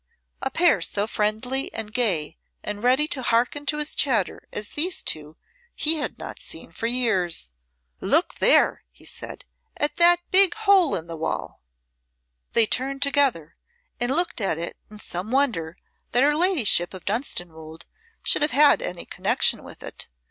A pair so friendly and gay and ready to hearken to his chatter as these two he had not seen for years. "Look there!" he said. "At that big hole in the wall." They turned together and looked at it in some wonder that her ladyship of Dunstanwolde should have any connection with it.